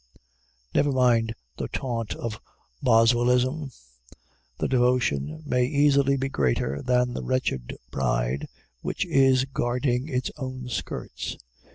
Never mind the taunt of Boswellism: the devotion may easily be greater than the wretched pride which is guarding its own skirts.